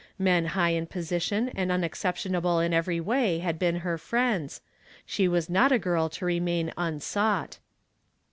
Men high in position and unexceptionable in every way had been her friends; she was not a girl to remain unsought.